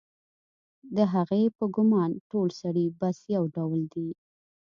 د هغې په ګومان ټول سړي بس یو ډول دي